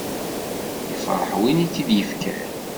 Yefreḥ win i k-id-yefkan.